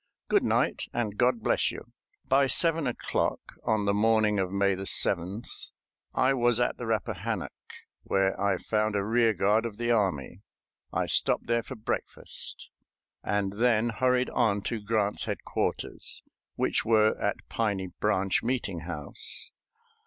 Good night, and God bless you." By seven o'clock on the morning of May 7th I was at the Rappahannock, where I found a rear guard of the army. I stopped there for breakfast, and then hurried on to Grant's headquarters, which were at Piney Branch Meeting House.